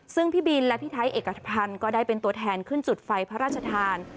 ซึ่งพี่บินและพี่ไทยเอกพันธ์ก็ได้เป็นตัวแทนขึ้นจุดไฟพระราชทาน